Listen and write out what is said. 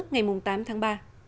ngày tám tháng ba